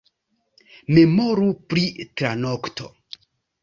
Memoru pri tranokto.